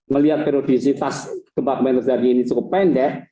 melihat periodisitas gempa kemenerjani ini cukup pendek